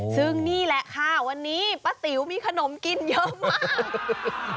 ซึ่งนี่แหละค่ะวันนี้ป้าติ๋วมีขนมกินเยอะมาก